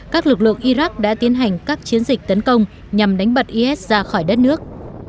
các lực lượng iraq đã tiến hành các chiến dịch tấn công nhằm đánh bật is ra khỏi đất nước